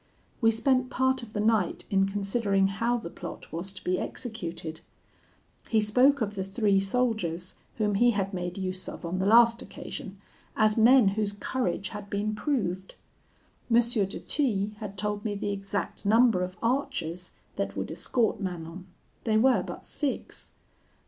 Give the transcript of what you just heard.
"We spent part of the night in considering how the plot was to be executed. He spoke of the three soldiers whom he had made use of on the last occasion, as men whose courage had been proved. M. de T had told me the exact number of archers that would escort Manon; they were but six.